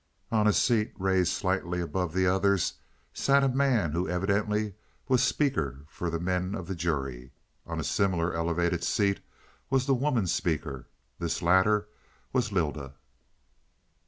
On a seat raised slightly above the others sat a man who evidently was speaker for the men of the jury. On a similar elevated seat was the woman speaker; this latter was Lylda.